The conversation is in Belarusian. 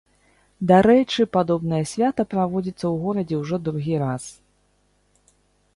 Дарэчы, падобнае свята праводзіцца ў горадзе ўжо другі раз.